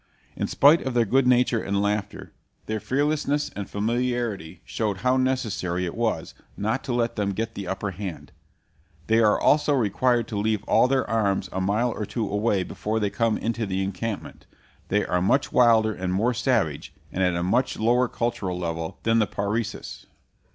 In spite of their good nature and laughter, their fearlessness and familiarity showed how necessary it was not to let them get the upper hand. They are always required to leave all their arms a mile or two away before they come into the encampment. They are much wilder and more savage, and at a much lower cultural level, than the Parecis.